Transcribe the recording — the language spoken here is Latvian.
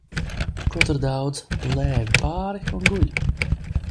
Ko tur daudz – plēve pāri un guļ.